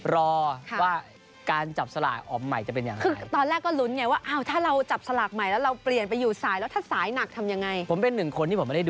รอว่าการจับสลากออมใหม่จะเป็นอย่างไร